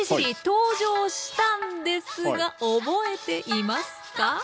登場したんですが覚えていますか？